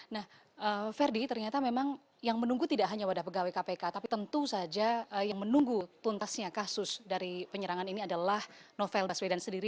nah verdi ternyata memang yang menunggu tidak hanya wadah pegawai kpk tapi tentu saja yang menunggu tuntasnya kasus dari penyerangan ini adalah novel baswedan sendiri